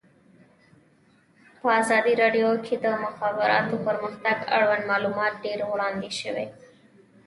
په ازادي راډیو کې د د مخابراتو پرمختګ اړوند معلومات ډېر وړاندې شوي.